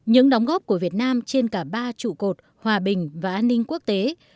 những đóng góp của việt nam trên cả ba trụ cột hòa bình và an ninh quốc tế